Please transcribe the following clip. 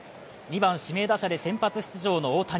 ２番・指名打者で先発出場の大谷。